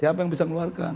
siapa yang bisa mengeluarkan